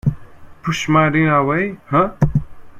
Push my dinner away, eh?